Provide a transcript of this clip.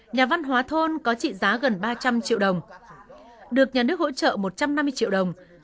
nhà văn hóa thôn có trị giá gần ba trăm linh triệu đồng được nhà nước hỗ trợ một trăm năm mươi triệu đồng